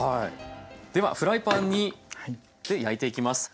ではフライパンで焼いていきます。